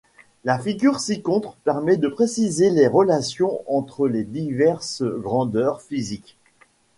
La figure ci-contre permet de préciser les relations entre les diverses grandeurs physiques.